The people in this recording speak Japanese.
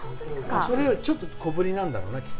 それよりちょっと小ぶりなんだろうね。